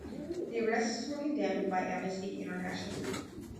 The arrests were condemned by Amnesty International.